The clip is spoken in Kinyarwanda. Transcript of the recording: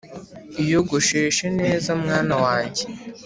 Iyogosheshe neza mwana wanjye